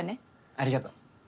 ありがとう。